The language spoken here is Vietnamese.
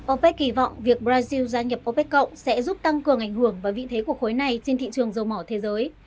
opec kỳ vọng việc brazil gia nhập opec cộng sẽ giúp tăng cường ảnh hưởng và vị thế của khối này trên thị trường dầu mỏ thế giới